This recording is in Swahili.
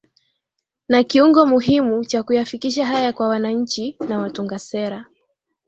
Na kiungo muhimu cha kuyafikisha haya kwa wananchi na watunga sera